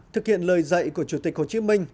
thực hiện lời dạy của chủ tịch hồ chí minh